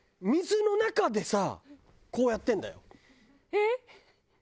えっ！